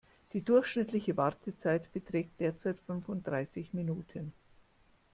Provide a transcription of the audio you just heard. Die durchschnittliche Wartezeit beträgt derzeit fünfunddreißig Minuten.